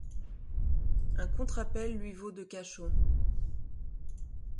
Un contre appel lui vaut de cachot.